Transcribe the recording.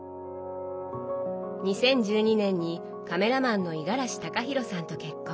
２０１２年にカメラマンの五十嵐隆裕さんと結婚。